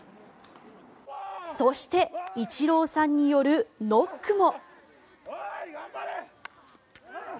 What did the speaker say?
そしてイチローさんによるノックも。